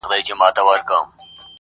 چا چي سوځولي زموږ د کلیو خړ کورونه دي؛